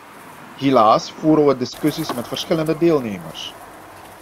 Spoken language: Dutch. Helaas voeren wij discussies met verschillende deelnemers.